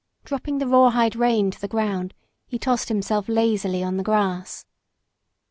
Dropping the rawhide rein to the ground, he tossed himself lazily on the grass.